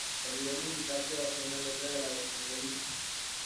El vídeo musical se basó en la letra de la versión de Lynch.